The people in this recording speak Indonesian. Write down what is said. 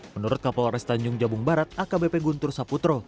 menurut kapal oras tanjung jambung barat akbp guntur saputro